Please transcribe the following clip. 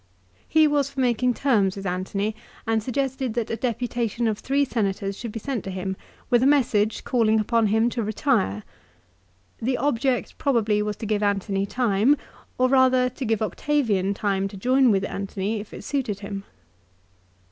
He was for making terms with Antony and suggested that a deputation of three Senators should be sent to him with a message calling upon him to retire. The object probably was to give Antony time, or rather to give Octavian time to join with Antony if it suited him.